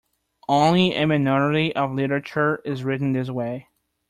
Only a minority of literature is written this way.